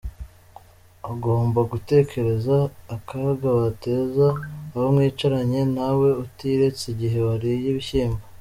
Ugomba gutekereza akaga wateza abo mwicaranye nawe utiretse igihe wariye ibishyimbo.